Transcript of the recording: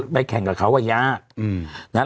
ไปแข่งกับเขาว่ายาก